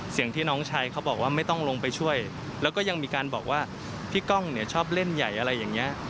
เสียงที่น้องชายเขาบอกว่าไม่ต้องลงไปช่วยแล้วก็ยังมีการบอกว่าพี่ก้องเนี่ยชอบเล่นใหญ่อะไรอย่างนี้